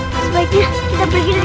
kita pergi dari sini